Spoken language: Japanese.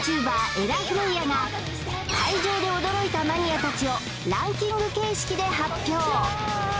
エラ・フレイヤが会場で驚いたマニアたちをランキング形式で発表